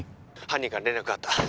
犯人から連絡があった